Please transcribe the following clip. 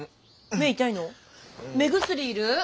目薬要る？